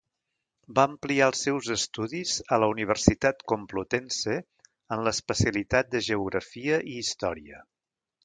Va ampliar els seus estudis a la Universitat Complutense, en l'especialitat de Geografia i Història.